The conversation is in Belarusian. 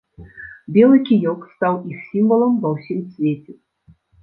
Белы кіёк стаў іх сімвалам ва ўсім свеце.